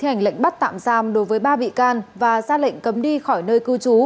hành lệnh bắt tạm giam đối với ba bị can và ra lệnh cấm đi khỏi nơi cư trú